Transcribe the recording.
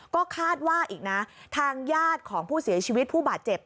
ก็คาดว่าอีกนะทางญาติของผู้เสียชีวิตผู้บาดเจ็บ